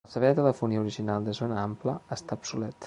El servei de telefonia original de zona ampla està obsolet.